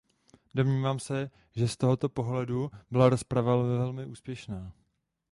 Domnívám se, že z tohoto pohledu byla rozprava velmi úspěšná.